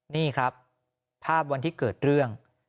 นี่ครับภาพวันที่เกิดเรื่อง